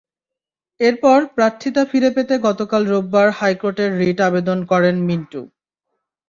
এরপর প্রার্থিতা ফিরে পেতে গতকাল রোববার হাইকোর্টে রিট আবেদন করেন মিন্টু।